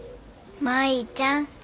舞ちゃん。